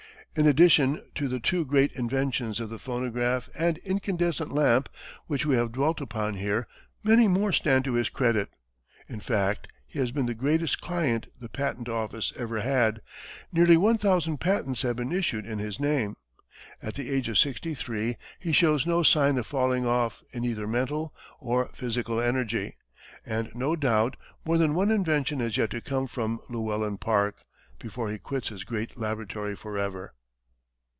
In addition to the two great inventions of the phonograph and incandescent lamp, which we have dwelt upon here, many more stand to his credit. In fact, he has been the greatest client the patent office ever had, nearly one thousand patents having been issued in his name. At the age of sixty three, he shows no sign of falling off in either mental or physical energy, and no doubt more than one invention has yet to come from Llewellyn Park before he quits his great laboratory forever.